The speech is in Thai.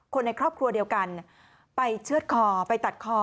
คนในครอบครัวเดียวกันไปเชื่อดคอไปตัดคอ